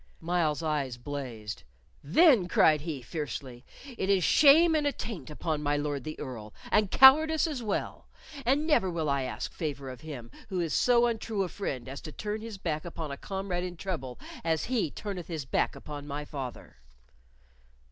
Myles's eyes blazed. "Then," cried he, fiercely, "it is shame and attaint upon my Lord the Earl, and cowardice as well, and never will I ask favor of him who is so untrue a friend as to turn his back upon a comrade in trouble as he turneth his back upon my father."